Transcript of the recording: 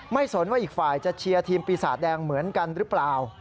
สนว่าอีกฝ่ายจะเชียร์ทีมปีศาจแดงเหมือนกันหรือเปล่า